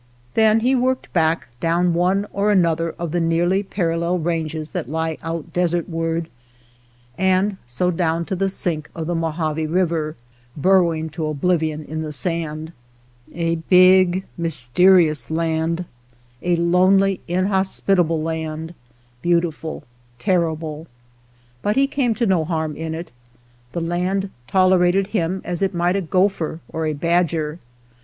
Then he worked back down one or another of the nearly parallel ranges that lie out desertward, and so down to the sink of the Mojave River, burrowing to oblivion in the sand, — a big mysterious land, a lonely, inhospitable land, beautiful, terrible. But he came to no harm in it ; the land tolerated him as it might a gopher or a badger.